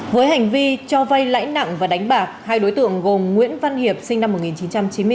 với hành vi cho vay lãi nặng và đánh bạc hai đối tượng gồm nguyễn văn hiệp sinh năm một nghìn chín trăm chín mươi bốn